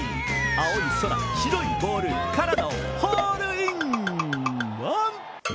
青い空、白いボールからのホールインワン！